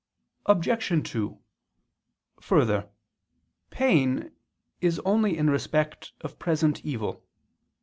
Obj. 2: Further, pain is only in respect of present evil.